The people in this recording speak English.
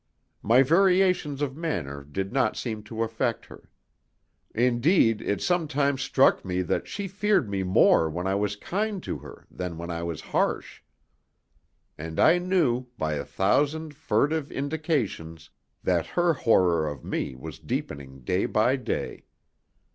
My variations of manner did not seem to affect her. Indeed, it sometimes struck me that she feared me more when I was kind to her than when I was harsh. And I knew, by a thousand furtive indications, that her horror of me was deepening day by day.